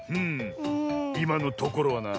いまのところはな。